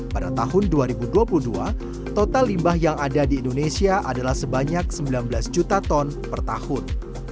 pada tahun dua ribu dua puluh dua total limbah yang ada di indonesia adalah sebanyak sembilan belas juta ton per tahun